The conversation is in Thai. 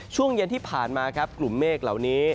ช่วงเย็นที่ผ่านมาครับกลุ่มเมฆเหล่านี้